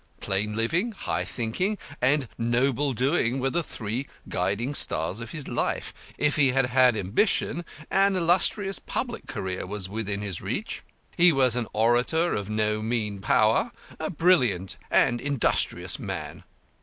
Plain living, high thinking, and noble doing were the three guiding stars of his life. If he had had ambition, an illustrious public career was within his reach. He was an orator of no mean power, a brilliant and industrious man.